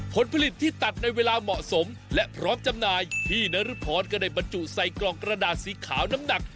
ผลผลิตที่ตัดในเวลาเหมาะสมและพร้อมจำหน่ายพี่นรุพรก็ได้บรรจุใส่กล่องกระดาษสีขาวน้ำหนัก